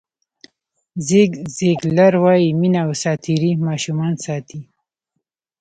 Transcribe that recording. زیګ زیګلر وایي مینه او ساعتېرۍ ماشومان ساتي.